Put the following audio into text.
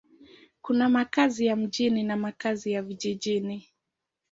Kuna makazi ya mjini na makazi ya vijijini.